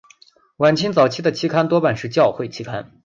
晚清早期的期刊多半是教会期刊。